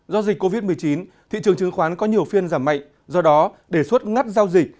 do dịch covid một mươi chín thị trường chứng khoán có nhiều phiên giảm mạnh do đó đề xuất ngắt giao dịch